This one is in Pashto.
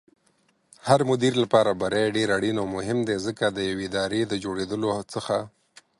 هرمدير لپاره بری ډېر اړين او مهم دی ځکه ديوې ادارې دجوړېدلو څخه